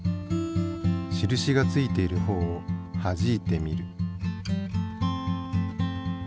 印が付いている方をはじいてみる。